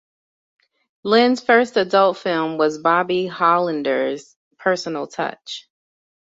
Lynn's first adult film was Bobby Hollander's "Personal Touch".